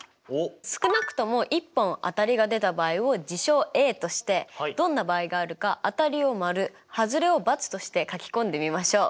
少なくとも１本当たりが出た場合を事象Ａとしてどんな場合があるか当たりを○はずれを×として書き込んでみましょう。